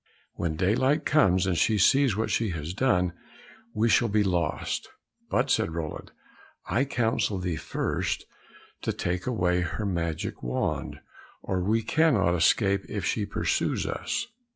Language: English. When daylight comes, and she sees what she has done, we shall be lost." "But," said Roland, "I counsel thee first to take away her magic wand, or we cannot escape if she pursues us."